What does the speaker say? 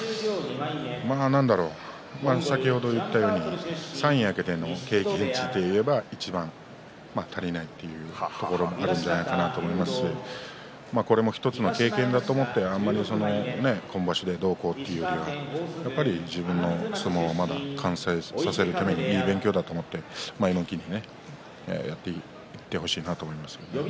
何だろう先ほど言ったように三役での経験値というところではいちばん足りないかなというところだと思いますしこれも１つの経験だと思って今場所でどうこうというよりはやっぱり自分の相撲を完成させるために、いい勉強だと思って前向きにやっていってほしいなと思いますね。